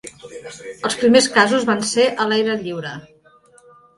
Els primers casos van ser a l'aire lliure.